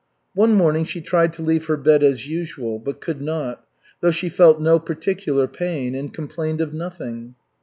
One morning she tried to leave her bed as usual, but could not, though she felt no particular pain, and complained of nothing.